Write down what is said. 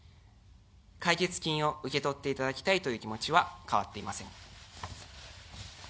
解決金を受け取っていただきたいという気持ちは変わっていません。